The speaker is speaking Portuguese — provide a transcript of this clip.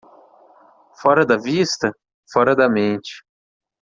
Fora da vista? fora da mente.